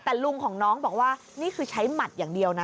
แต่ลุงของน้องบอกว่านี่คือใช้หมัดอย่างเดียวนะ